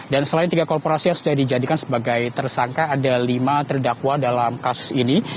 dan selain tiga korporasi yang sudah dijadikan sebagai tersangka ada lima terdakwa dalam kasus ini